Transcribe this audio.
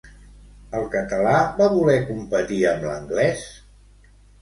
El català va voler competir amb l'anglès?